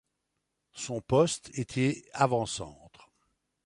Son poste était avant-centre.